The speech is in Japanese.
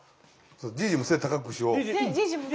じいじも背高くしよう！